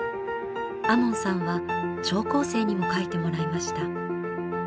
亞門さんは聴講生にも書いてもらいました。